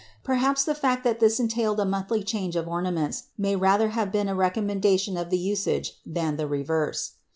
Perhaps the fact that this entailed a monthly change of ornaments may rather have been a recommendation of the usage than the reverse.